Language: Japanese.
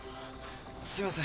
すいません。